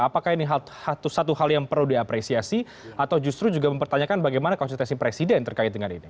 apakah ini satu hal yang perlu diapresiasi atau justru juga mempertanyakan bagaimana konsistensi presiden terkait dengan ini